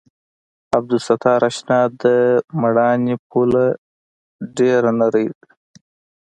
عبدالستاره اشنا د مېړانې پوله ډېره نرۍ ده.